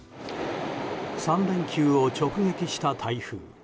３連休を直撃した台風。